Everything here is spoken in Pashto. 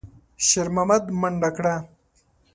شېرمحمد منډه کړه.